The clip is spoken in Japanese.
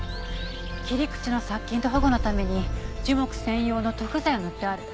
切り口の殺菌と保護のために樹木専用の塗布剤を塗ってある。